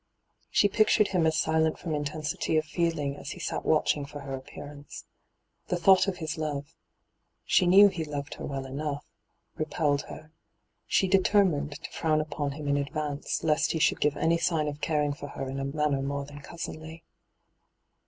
She pictured him as silent from intensity of feeling as he sat watching for her appearanoe. The thought of his love — she knew he loved her well enough — repelled her. She deter mined to frown upon him in advance, lest he should give any sign of caring for her in a manner more than cousinly.